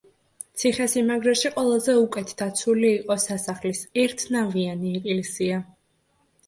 ციხესიმაგრეში ყველაზე უკეთ დაცული იყო სასახლის ერთნავიანი ეკლესია.